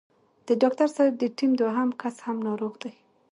د ډاکټر صاحب د ټيم دوهم کس هم ناروغ دی.